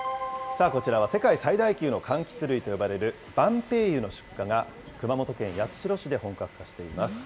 さあ、こちらは世界最大級のかんきつ類と呼ばれる、晩白柚の出荷が、熊本県八代市で本格化しています。